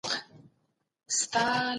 پښېماني سي